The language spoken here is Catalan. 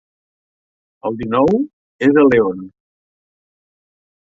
El dinou és a León.